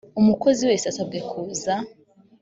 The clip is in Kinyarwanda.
umukozi wese asabwe kuza.